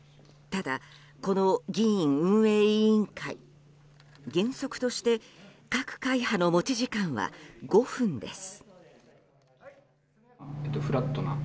ただ、この議院運営委員会原則として各会派の持ち時間は５分です。